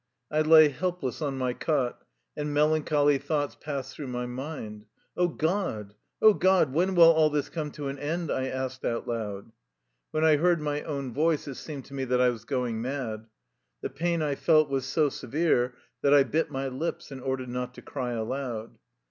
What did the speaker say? I lay helpless on my cot, and melancholy thoughts passed through my mind. " О God ! О God ! when will all this come to end? '' I asked aloud. When I heard my own voice it seemed to me that I was going mad. The pain I felt was so severe that I bit my lips in order not to cry aloud.